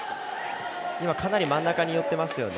かなり真ん中に寄っていますよね。